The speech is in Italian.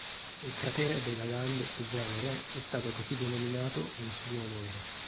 Il cratere de Lalande su Venere è stato così denominato in suo onore.